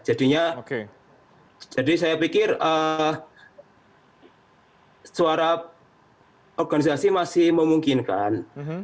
jadi saya pikir suara organisasi masih memungkinkan